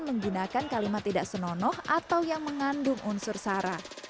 menggunakan kalimat tidak senonoh atau yang mengandung unsur sara